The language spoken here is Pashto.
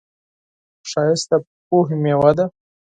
ښایست د پوهې میوه ده